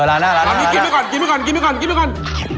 อันนี้กินไม่กัน